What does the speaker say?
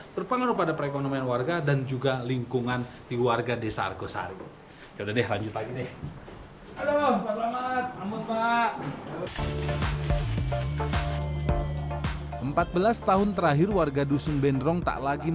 berpengaruh pada perekonomian warga dan juga lingkungan di warga desa argosari